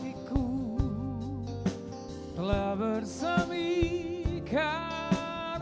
sertaiah telah seminar